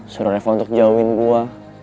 suruh reva untuk jauhin gue